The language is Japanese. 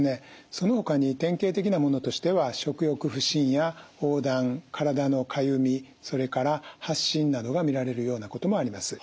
そのほかに典型的なものとしては食欲不振や黄疸体のかゆみそれから発疹などが見られるようなこともあります。